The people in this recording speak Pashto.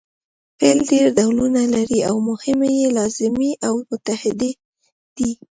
فعل ډېر ډولونه لري او مهم یې لازمي او متعدي دي.